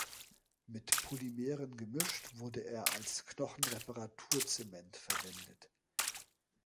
Mit Polymeren gemischt wurde er als Knochenreparaturzement verwendet.